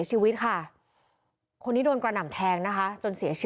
ไอ้ไอ้ไอ้ไอ้